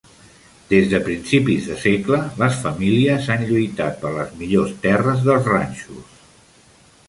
Des de principis de segle, les famílies han lluitat per les millors terres dels ranxos.